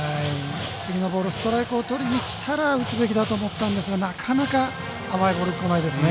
次のボールストライクをとりにきたら打つべきだと思ったんですがなかなか甘いボール、こないですね。